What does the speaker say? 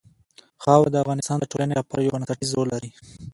خاوره د افغانستان د ټولنې لپاره یو بنسټيز رول لري.